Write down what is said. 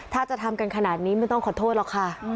ถ้าจะทำกันขนาดนี้ไม่ต้องขอโทษหรอกค่ะ